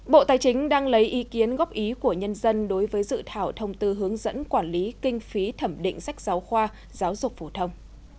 bộ tài chính đang lấy ý kiến góp ý của nhân dân đối với dự thảo thông tư hướng dẫn quản lý kinh phí thẩm định sách giáo khoa giáo dục phổ thông